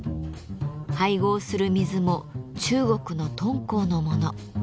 配合する水も中国の敦煌のもの。